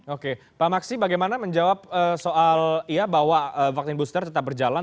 oke pak maksi bagaimana menjawab soal ya bahwa vaksin booster tetap berjalan